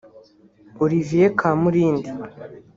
Olivier Kamilindi